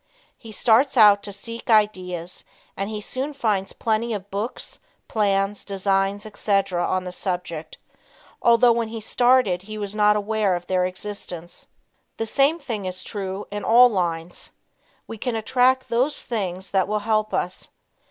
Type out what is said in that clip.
He starts out to seek ideas and he soon finds plenty of books, plans, designs, etc., on the subject, although when he started he was not aware of their existence. The same thing is true in all lines. We can attract those things that will help us.